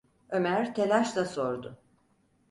Ömer telaşla sordu: